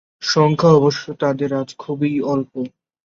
সংখ্যা অবশ্য তাদের আজ খুবই অল্প।